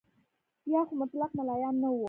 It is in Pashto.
یا خو مطلق ملایان نه وو.